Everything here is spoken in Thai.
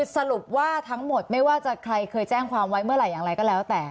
สรุปว่าทั้งหมดไม่ว่าจะใครเคยแจ้งความไว้เมื่อไหร่อย่างไรก็แล้วแต่